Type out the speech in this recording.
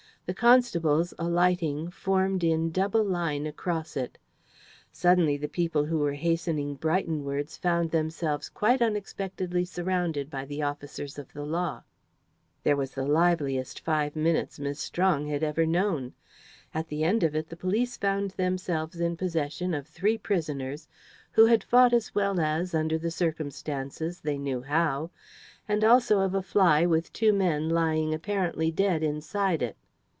The constables, alighting, formed in double line across it. Suddenly the people who were hastening Brightonwards found themselves quite unexpectedly surrounded by the officers of the law. There was the liveliest five minutes Miss Strong had ever known. At the end of it the police found themselves in possession of three prisoners, who had fought as well as, under the circumstances, they knew how, and also of a fly with two men lying apparently dead inside it.